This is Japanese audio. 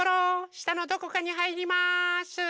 したのどこかにはいります。